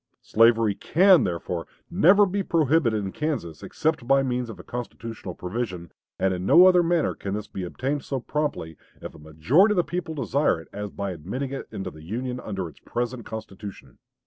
Slavery can, therefore, never be prohibited in Kansas except by means of a constitutional provision and in no other manner can this be obtained so promptly, if a majority of the people desire it, as by admitting it into the Union under its present constitution."